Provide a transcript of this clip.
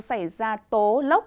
xảy ra tố lốc